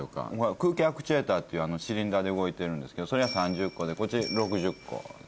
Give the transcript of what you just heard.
空気アクチュエーターっていうシリンダーで動いてるんですけどそれが３０個でこっち６０個なんですね。